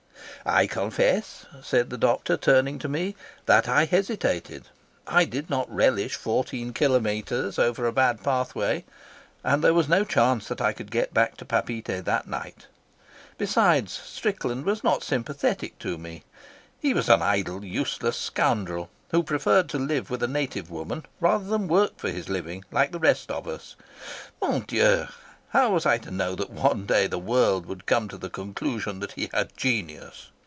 "I confess," said the doctor, turning to me, "that I hesitated. I did not relish fourteen kilometres over a bad pathway, and there was no chance that I could get back to Papeete that night. Besides, Strickland was not sympathetic to me. He was an idle, useless scoundrel, who preferred to live with a native woman rather than work for his living like the rest of us. , how was I to know that one day the world would come to the conclusion that he had genius?